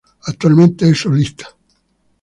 Actualmente es solista.